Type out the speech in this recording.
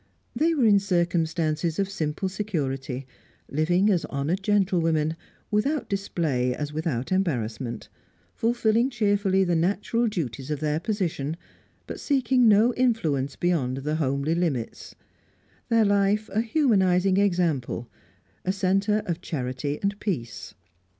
They were in circumstances of simple security, living as honoured gentlewomen, without display as without embarrassment; fulfilling cheerfully the natural duties of their position, but seeking no influence beyond the homely limits; their life a humanising example, a centre of charity and peace.